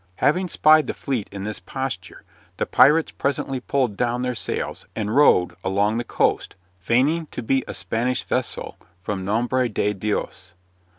Having spied the fleet in this posture, the pirates presently pulled down their sails and rowed along the coast, feigning to be a Spanish vessel from Nombre de Dios.